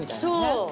そう。